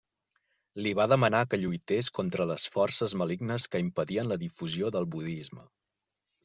Li va demanar que lluités contra les forces malignes que impedien la difusió del budisme.